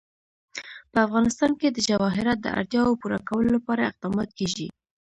په افغانستان کې د جواهرات د اړتیاوو پوره کولو لپاره اقدامات کېږي.